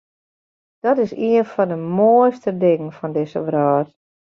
Dat is ien fan de moaiste dingen fan dizze wrâld.